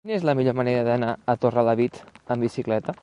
Quina és la millor manera d'anar a Torrelavit amb bicicleta?